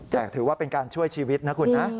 แต่ถือว่าเป็นการช่วยชีวิตนะคุณนะ